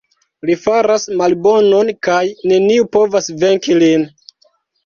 Li faras malbonon kaj neniu povas venki lin.